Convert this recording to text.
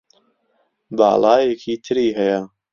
باڵایەکی تری هەیە